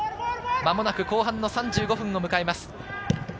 間もなく後半の３５分を迎えます。